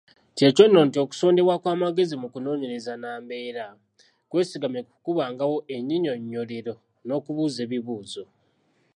Kyekyo nno nti okusondebwa kw’amagezi mu kunoonyereza nambeera, kwesigamye ku kubangawo ennyinnyonnyolero n'okubuuza ebibuuzo.